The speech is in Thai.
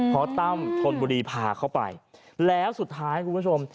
พอตั้มธนบุรีพาเขาไปแล้วสุดท้ายคุณผู้ชม